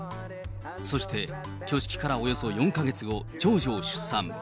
そして、挙式からおよそ４か月後、長女を出産。